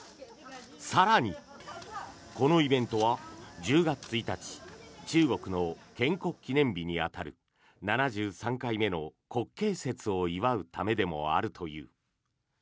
更に、このイベントは１０月１日中国の建国記念日に当たる７３回目の国慶節を祝うためでもあるという。